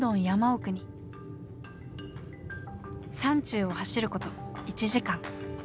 山中を走ること１時間。